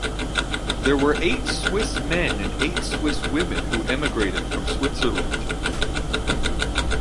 There were eight Swiss men and eight Swiss women who emigrated from Switzerland.